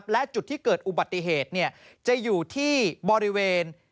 และจุดที่เกิดอุบัติเหตุจะอยู่ที่บริเวณ